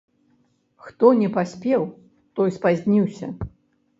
Хто не паспеў, той спазніўся.